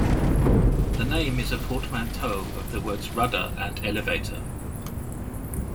The name is a portmanteau of the words rudder and elevator.